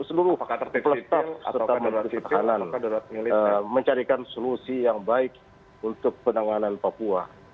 seluruh pelestaf serta melalui pertahanan mencarikan solusi yang baik untuk penanganan papua